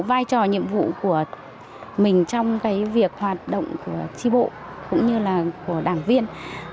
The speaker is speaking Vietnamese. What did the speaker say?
vai trò nhiệm vụ của mình trong việc hoạt động của tri bộ cũng như là của đảng viên